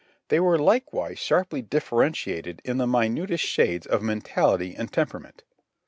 They were likewise sharply differentiated in the minutest shades of mentality and temperament.